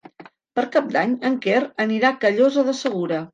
Per Cap d'Any en Quer anirà a Callosa de Segura.